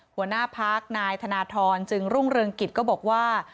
หัวหน้าพักนายธนทรจึงรุ่งเรืองกิจก็บอกว่า